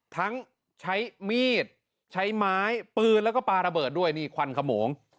ทั้งใช้มีดใช้ไม้ปืนแล้วก็ปลาระเบิดด้วยนี่ควันขโมง